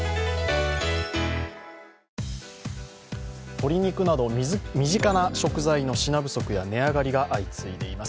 鶏肉など身近な食材の品不足や値上がりが相次いでいます。